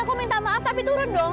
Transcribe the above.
aku minta maaf tapi turun dong